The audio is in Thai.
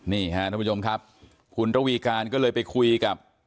นี่ค่ะท่านผู้ชมครับคุณระวีการก็เลยไปคุยกับ